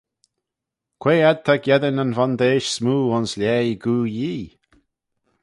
Quoi ad ta geddyn yn vondeish smoo ayns lhaih Goo Yee?